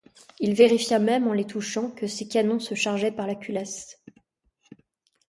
Il vérifia même, en les touchant, que ces canons se chargeaient par la culasse.